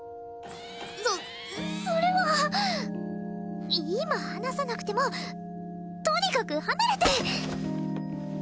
そっそれは今話さなくてもとにかく離れて！